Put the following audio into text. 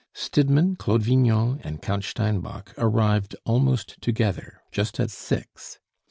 Stidmann, Claude Vignon, and Count Steinbock arrived almost together, just at six.